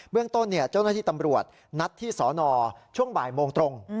เรื่องต้นเจ้าหน้าที่ตำรวจนัดที่สอนอช่วงบ่ายโมงตรง